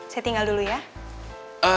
saya tinggal dulu ya